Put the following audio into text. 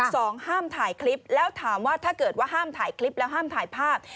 สองห้ามถ่ายคลิปแล้วถามว่าถ้าเกิดว่าห้ามถ่ายคลิปแล้วห้ามถ่ายภาพ